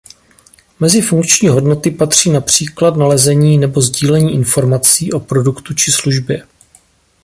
Mezi funkční hodnoty patří například nalezení nebo sdílení informací o produktu či službě.